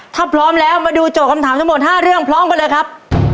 ถ้าพร้อมแล้วมาดูโจทย์คำถามทั้งหมด๕เรื่องพร้อมกันเลยครับ